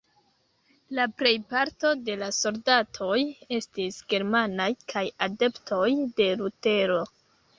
La plejparto de la soldatoj estis germanaj kaj adeptoj de Lutero.